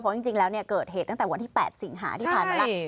เพราะจริงแล้วเกิดเหตุตั้งแต่วันที่๘สิงหาที่ผ่านมาแล้ว